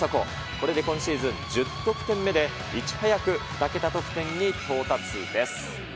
これで今シーズン１０得点目で、いち早く２桁得点に到達です。